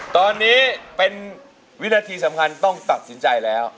ตอนนี้เป็นวินาทีสำคัญต้องตัดสินใจแล้ว